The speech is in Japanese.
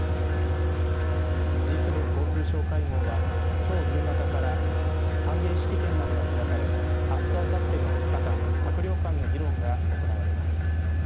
Ｇ７交通相会合はきょう夕方から歓迎式典などが開かれ明日とあさっての２日間閣僚間の議論が行われます。